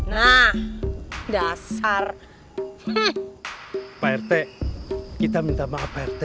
nah dasar pak rt kita minta maaf rt